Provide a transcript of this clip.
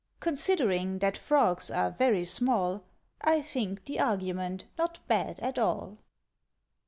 '" Considering that Frogs are very small, I think the argument not bad at all.